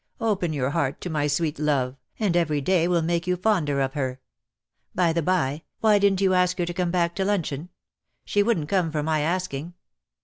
Open your heart to my sweet love, and every day will make you fonder of her. By the bye, why didn't you ask her to come back to luncheon? She wouldn't come for my asking."